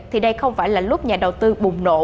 thì đây không phải là lúc nhà đầu tư bùng nổ